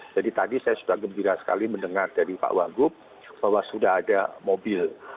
jadi tadi saya sudah gembira sekali mendengar dari pak wagub bahwa sudah ada mobil